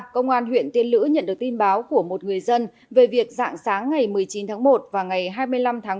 công an huyện tiên lữ nhận được tin báo của một người dân về việc dạng sáng ngày một mươi chín tháng một và ngày hai mươi năm tháng một